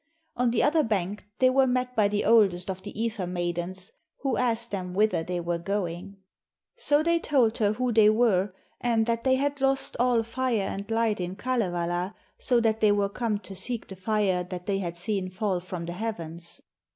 On the other bank they were met by the oldest of the Ether maidens, who asked them whither they were going. So they told her who they were, and that they had lost all fire and light in Kalevala, so that they were come to seek the fire that they had seen fall from the heavens.